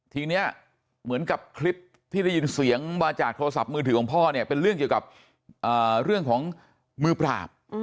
ทีนี้เหมือนกับคลิปที่ได้ยินเสียงมาจากโทรศัพท์มือถือของพ่อเนี่ยเป็นเรื่องเกี่ยวกับเรื่องของมือปราบ